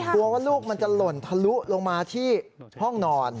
กลัวว่าลูกมันจะหล่นทะลุลงมาที่ห้องนอน